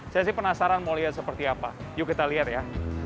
saya sih penasaran mau lihat seperti apa yuk kita lihat ya